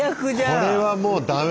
これはもう駄目。